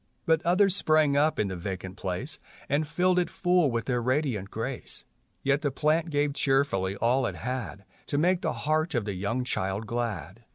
SOWN. 41 But others sprang up in the vacant place And filled it full with their radiant grace; Yet the plant gave cheerfully all it had To make the heart of the young child glad.